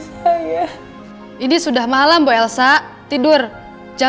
sampai jumpa di video selanjutnya